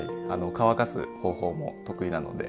乾かす方法も得意なので。